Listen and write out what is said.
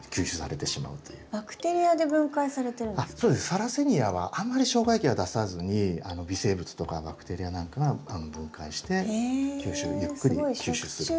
サラセニアはあんまり消化液は出さずに微生物とかバクテリアなんかが分解してゆっくり吸収する。